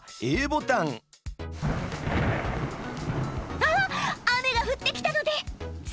「あっ雨が降ってきたのでっ